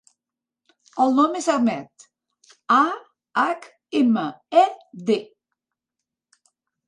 El nom és Ahmed: a, hac, ema, e, de.